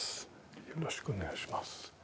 よろしくお願いします。